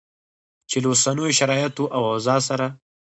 چې له اوسنیو شرایطو او اوضاع سره